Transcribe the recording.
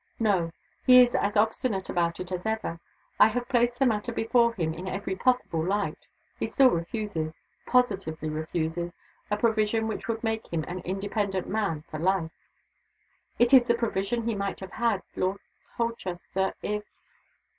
"No. He is as obstinate about it as ever. I have placed the matter before him in every possible light. He still refuses, positively refuses, a provision which would make him an independent man for life." "Is it the provision he might have had, Lord Holchester, if